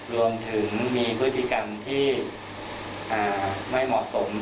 รวมถึงมีพฤติกรรมที่ไม่เหมาะสม